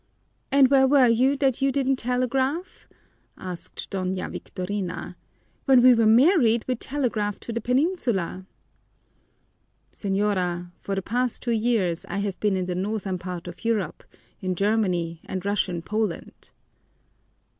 "And where were you that you didn't telegraph?" asked Doña Victorina. "When we were married we telegraphed to the Peñinsula." "Señora, for the past two years I have been in the northern part of Europe, in Germany and Russian Poland."